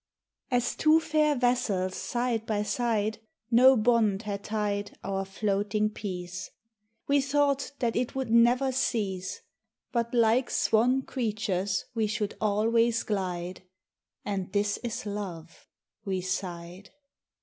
As two fair vessels side by side, No bond had tied Our floating peace ; We thought that it would never cease, But like swan creatures we should always glide : And this is love We sighed.